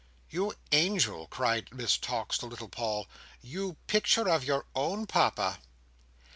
"You Angel!" cried Miss Tox to little Paul. "You Picture of your own Papa!"